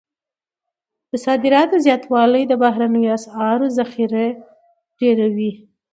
د صادراتو زیاتوالی د بهرنیو اسعارو ذخیرې ډیروي.